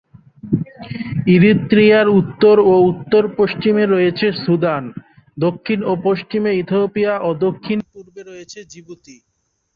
ইরিত্রিয়ার উত্তর ও উত্তর-পশ্চিমে রয়েছে সুদান, দক্ষিণ ও পশ্চিমে ইথিওপিয়া ও দক্ষিণ-পূর্বে রয়েছে জিবুতি।